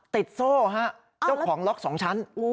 ติดโซ่ฮะเจ้าของล็อกสองชั้น